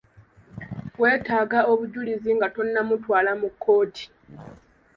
Wetaaga obujulizi nga tonnamutwala mu kkooti.